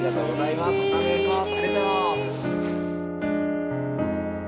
またお願いします。